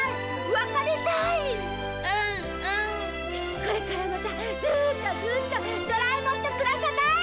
これからまたずーっとずーっとドラえもんと暮らさない！